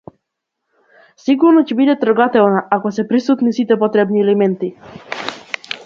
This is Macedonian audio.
Сигурно ќе биде трогателна ако се присутни сите потребни елементи.